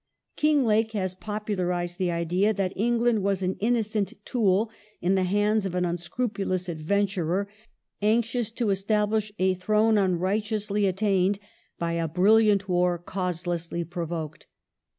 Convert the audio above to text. ^ Kinglake has popularized the idea that England was an innocent tool in the hands of an un scrupulous adventurer, anxious to establish a throne unrighteously attained, by a brilliant war causelessly provoked.